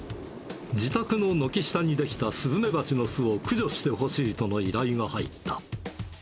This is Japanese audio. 自宅の軒下に出来たスズメバチの巣を駆除してほしいとの依頼が入った。